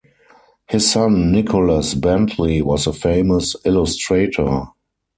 His son Nicolas Bentley was a famous illustrator.